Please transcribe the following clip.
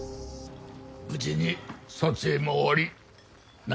無事に撮影も終わり何よりです。